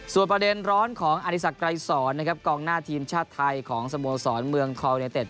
ส่วนประเด็นร้อนของอธิษฐกรายศรกองหน้าทีมชาติไทยของสมสรรค์เมืองทอลเนเต็ด